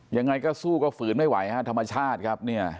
ยังไงก็สู้ก็ฝืนไม่ไหวฮะธรรมชาติครับเนี่ย